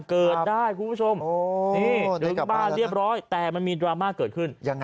เกิดได้กลับบ้านเรียบร้อยแต่มันมีดราม่าเกิดขึ้น